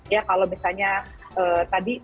ya kalau misalnya tadi